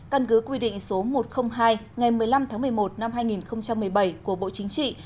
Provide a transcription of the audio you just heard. căn cứ quy định số một trăm linh hai ngày một mươi năm tháng một mươi một năm hai nghìn một mươi bảy của bộ chính trị